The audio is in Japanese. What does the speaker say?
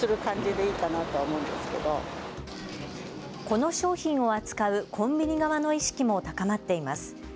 この商品を扱うコンビニ側の意識も高まっています。